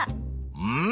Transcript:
うん！